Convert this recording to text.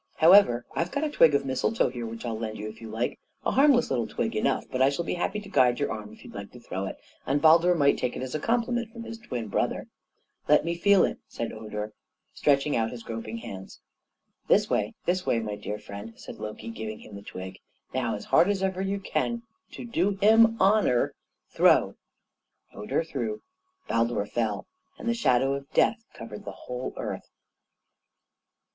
However, I've got a twig of mistletoe here which I'll lend you if you like; a harmless little twig enough, but I shall be happy to guide your arm if you would like to throw it, and Baldur might take it as a compliment from his twin brother." "Let me feel it," said Hödur, stretching out his groping hands. "This way, this way, my dear friend," said Loki, giving him the twig. "Now, as hard as ever you can, to do him honor; throw!" Hödur threw Baldur fell, and the shadow of death covered the whole earth.